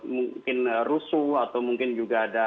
mungkin rusuh atau mungkin juga ada